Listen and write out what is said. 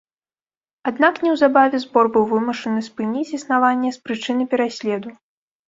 Аднак неўзабаве збор быў вымушаны спыніць існаванне з прычыны пераследу.